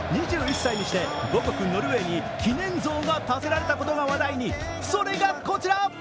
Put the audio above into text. ２１歳にして母国ノルウェーに記念像が建てられたことが話題に、それがこちら。